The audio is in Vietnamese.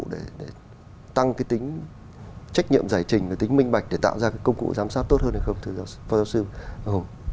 để tăng cái tính trách nhiệm giải trình cái tính minh bạch để tạo ra cái công cụ giám sát tốt hơn hay không thưa phó giáo sư hùng